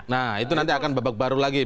nah itu nanti akan babak baru lagi